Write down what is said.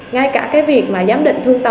ngay cả cái việc mà giám định thương tập